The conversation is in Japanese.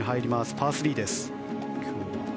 パー３です。